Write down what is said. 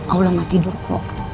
allah tidak tidur kok